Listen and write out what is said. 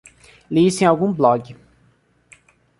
Li isso em algum blog